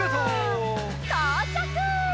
とうちゃく！